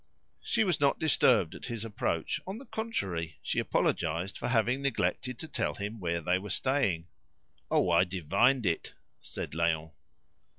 She was not disturbed at his approach; on the contrary, she apologised for having neglected to tell him where they were staying. "Oh, I divined it!" said Léon.